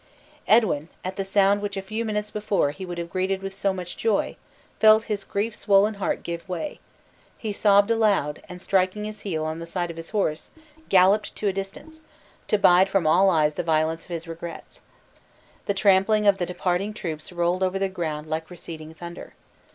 Edwin, at the sound which a few minutes before he would have greeted with so much joy, felt his grief swollen heart give way; he sobbed aloud, and striking his heel on the side of his horse, galloped to a distance, to bide from all eyes the violence of his regrets. The trampling of the departing troops rolled over the ground like receding thunder.